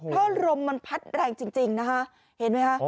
โอ้โหถ้ารมมันพัดแรงจริงนะคะเห็นไหมคะ